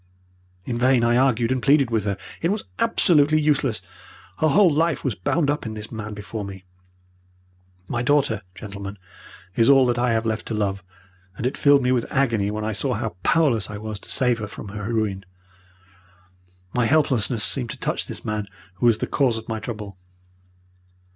"In vain I argued and pleaded with her. It was absolutely useless. Her whole life was bound up in this man before me. My daughter, gentlemen, is all that I have left to love, and it filled me with agony when I saw how powerless I was to save her from her ruin. My helplessness seemed to touch this man who was the cause of my trouble.